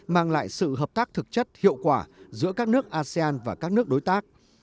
mang lại sự hợp tác thực chất hiệu quả giữa các nước asean và các nước đối tác